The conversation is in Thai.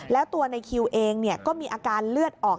แล้วตัวในคิวเองก็มีอาการเลือดออก